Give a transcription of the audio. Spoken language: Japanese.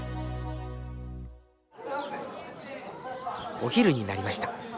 お昼になりました。